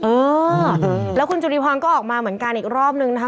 เออแล้วคุณจุริพรก็ออกมาเหมือนกันอีกรอบนึงนะคะ